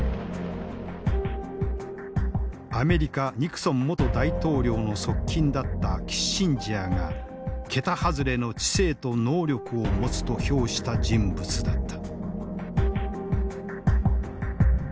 アメリカニクソン元大統領の側近だったキッシンジャーが桁外れの知性と能力を持つと評した人物だった。